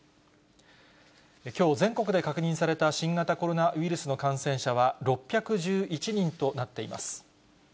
きょう、全国で確認された新型コロナウイルスの感染者は６１１人となっています。